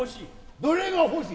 どれが欲しい。